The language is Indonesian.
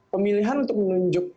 pemilihan untuk menunjuk